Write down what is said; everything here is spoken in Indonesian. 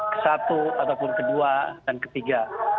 ke satu ataupun ke dua dan ke tiga